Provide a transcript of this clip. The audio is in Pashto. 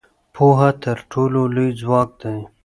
پوهه تر ټولو لوی ځواک دی.